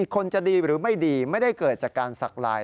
คนจะดีหรือไม่ดีไม่ได้เกิดจากการสักลาย